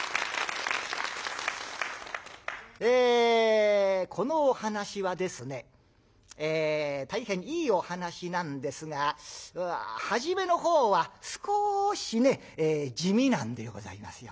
えこのお噺はですね大変いいお噺なんですがはじめのほうは少しね地味なんでございますよね。